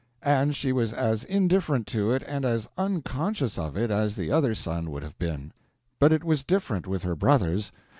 And she was as indifferent to it and as unconscious of it as the other sun would have been. But it was different with her brothers.